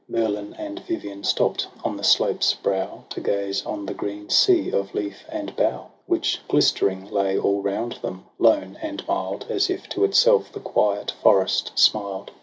Merlin and Vivian stopp'd on the slope's brow, To gaze on the green sea of leaf and bough Which glistering lay all round them, lone and mild, As if to itself the quiet forest smiled.